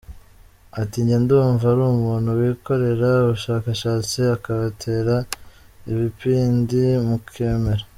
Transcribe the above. Ati “Njye ndumva ari umuntu wikorera ubushakashatsi akabatera ibipindi mukemera.